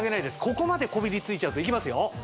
ここまでこびりついちゃうといきますよ